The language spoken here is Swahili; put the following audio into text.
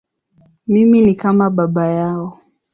Mimi ni kama baba yao.